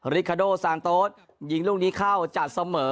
ริคาโดซานโต๊ดยิงลูกนี้เข้าจะเสมอ